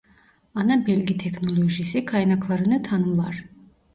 Ana bilgi teknolojisi kaynaklarını tanımlar.